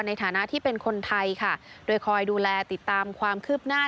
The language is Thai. ในฐานะที่เป็นคนไทยค่ะโดยคอยดูแลติดตามความคืบหน้า